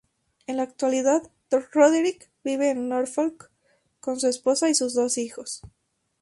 En la actualidad Roderick vive en Norfolk, con su esposa y sus dos hijos.